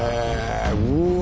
うわ！